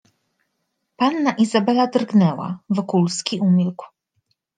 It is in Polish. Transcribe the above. "Panna Izabela drgnęła, Wokulski umilkł."